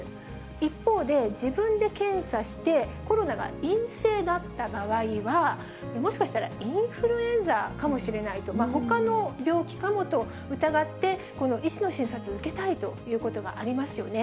一方で、自分で検査して、コロナが陰性だった場合は、もしかしたらインフルエンザかもしれないと、ほかの病気かもと疑って、医師の診察受けたいということがありますよね。